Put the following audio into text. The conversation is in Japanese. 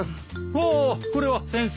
ああこれは先生。